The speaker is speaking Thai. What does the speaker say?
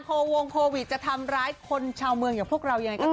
วงโควิดจะทำร้ายคนชาวเมืองอย่างพวกเรายังไงก็ตาม